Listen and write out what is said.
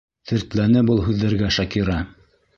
Тертләне был һүҙҙәргә Шакира.